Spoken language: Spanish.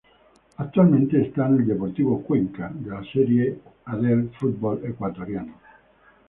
Actualmente esta en el Deportivo Cuenca de la Serie Adel futbol ecuatoriano.